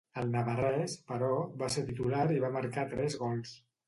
El navarrès, però, va ser titular i va marcar tres gols.